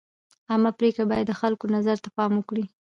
عامه پرېکړې باید د خلکو نظر ته پام وکړي.